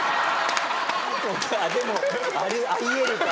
でもあり得るか。